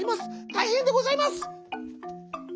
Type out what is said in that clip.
たいへんでございます！」。